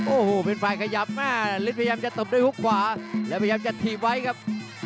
โอ้โหเป็นฝ่ายขยับแม่ฤทธิพยายามจะตบด้วยฮุกขวาแล้วพยายามจะถีบไว้ครับ